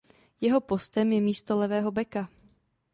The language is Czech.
Jeho postem je místo levého beka.